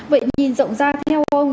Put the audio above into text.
vậy nhìn rộng ra theo không